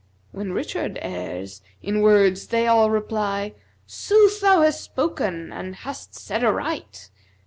When richard errs in words they all reply, * "Sooth thou hast spoken and hast said aright!"